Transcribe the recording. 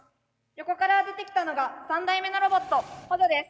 横から出てきたのが３代目のロボットほじょです。